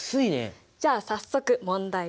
じゃあ早速問題です。